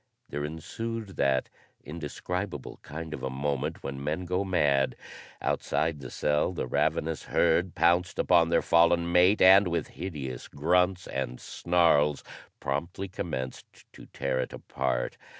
There ensued that indescribable kind of a moment when men go mad. Outside the cell the ravenous herd pounced upon their fallen mate and with hideous grunts and snarls promptly commenced to tear it apart.